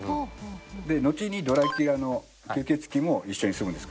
でのちにドラキュラの吸血鬼も一緒に住むんですけど。